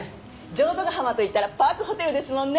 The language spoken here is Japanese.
浄土ヶ浜といったらパークホテルですもんね。